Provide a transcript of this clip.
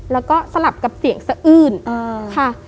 แล้วก็สลับกับเสียงสะอื้นค่ะ